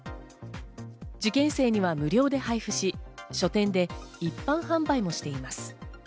受験生には無料で配布し、書店で一般販売もしています。